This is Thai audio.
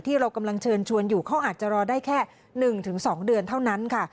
ที่เรากำลังเชิญชวนอยู่เขาอาจจะรอได้แค่๑๒เดือนเท่านั้นค่ะ